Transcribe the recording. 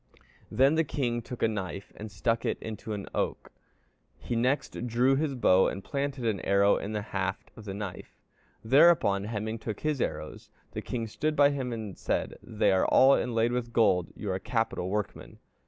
Then the king took a knife and stuck it into an oak; he next drew his bow and planted an arrow in the haft of the knife. Thereupon Hemingr took his arrows. The king stood by him and said, 'They are all inlaid with gold; you are a capital workman.'